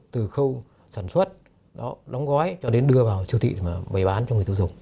từ khâu sản xuất đóng gói cho đến đưa vào siêu thị bày bán cho người tiêu dùng